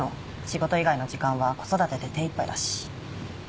仕事以外の時間は子育てで手いっぱいだし。